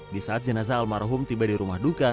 di saat jenazah almarhum tiba di rumah duka